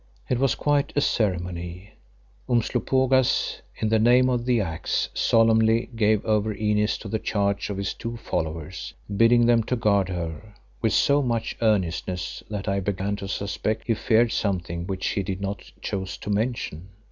It was quite a ceremony. Umslopogaas, "in the name of the Axe" solemnly gave over Inez to the charge of his two followers, bidding them guard her with so much earnestness that I began to suspect he feared something which he did not choose to mention.